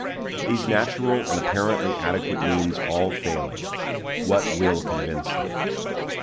These natural and apparently adequate means all failing, what will convince them?